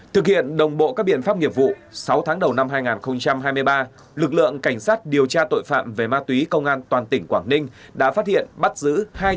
thực hiện đồng bộ các biện pháp nghiệp vụ sáu tháng đầu năm hai nghìn hai mươi ba lực lượng cảnh sát điều tra tội phạm về ma túy công an toàn tỉnh quảng ninh đã phát hiện bắt giữ hai trăm bảy mươi ba